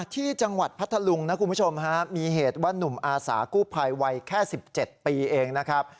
ที่จังหวัดพัทธลุงนะคุณผู้ชมฮะมีเหตุว่านุ่มอาสากู้ภัยวัยแค่๑๗ปีเองนะครับ